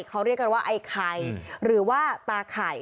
เขาเรียกกันว่าไอ้ไข่หรือว่าตาไข่